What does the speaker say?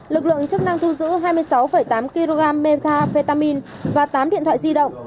lực lượng chức năng thu giữ hai mươi sáu tám kg methafetamine và tám điện thoại di động